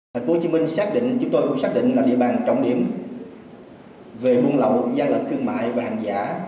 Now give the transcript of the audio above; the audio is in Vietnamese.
thành phố hồ chí minh xác định chúng tôi cũng xác định là địa bàn trọng điểm về buôn lậu gian lận cương mại và hàng giả